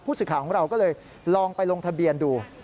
สื่อข่าวของเราก็เลยลองไปลงทะเบียนดู